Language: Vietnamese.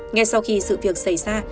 ngay sau khi sự việc xảy ra